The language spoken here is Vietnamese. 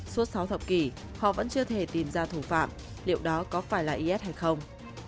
suốt sáu thập kỷ họ vẫn chưa thể tìm ra thủ phạm liệu đó có phải là is hay không